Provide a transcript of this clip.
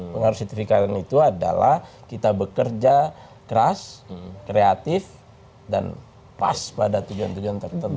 pengaruh signifikan itu adalah kita bekerja keras kreatif dan pas pada tujuan tujuan tertentu